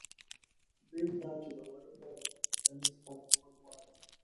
دویم دا چې د علومو تمیز ختمول غواړي.